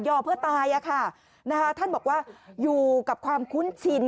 อเพื่อตายอะค่ะนะคะท่านบอกว่าอยู่กับความคุ้นชิน